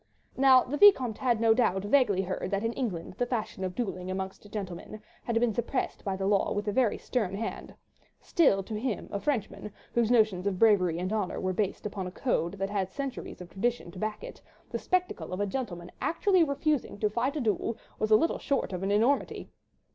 Now the Vicomte had no doubt vaguely heard that in England the fashion of duelling amongst gentlemen had been suppressed by the law with a very stern hand; still to him, a Frenchman, whose notions of bravery and honour were based upon a code that had centuries of tradition to back it, the spectacle of a gentleman actually refusing to fight a duel was little short of an enormity.